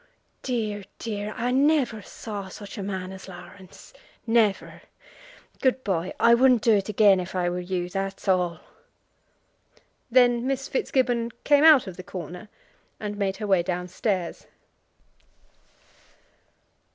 Dear, dear! I never saw such a man as Laurence; never. Good bye. I wouldn't do it again, if I were you; that's all." Then Miss Fitzgibbon came out of the corner and made her way down stairs.